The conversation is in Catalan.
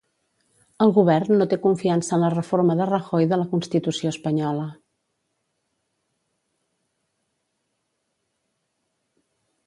El govern no té confiança en la reforma de Rajoy de la constitució espanyola.